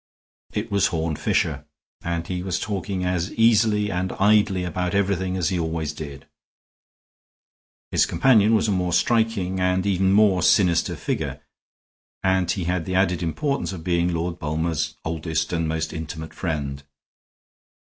It was Horne Fisher, and he was talking as easily and idly about everything as he always did. His companion was a more striking, and even more sinister, figure, and he had the added importance of being Lord Bulmer's oldest and most intimate friend.